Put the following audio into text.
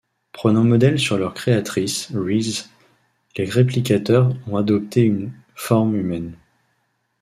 Prenant modèle sur leur créatrice, Reese, les Réplicateurs ont adopté une forme humaine.